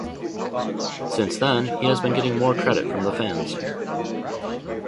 Since then, he has been getting more credit from the fans.